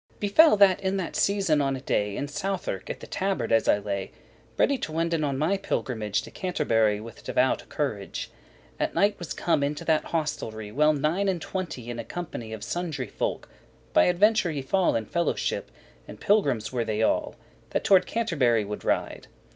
*helped Befell that, in that season on a day, In Southwark at the Tabard <4> as I lay, Ready to wenden on my pilgrimage To Canterbury with devout corage, At night was come into that hostelry Well nine and twenty in a company Of sundry folk, *by aventure y fall *who had by chance fallen In fellowship*, and pilgrims were they all, into company.* <5> That toward Canterbury woulde ride.